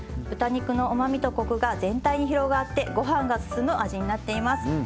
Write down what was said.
豚肉のうまみとコクが全体に広がって御飯が進む味になっています。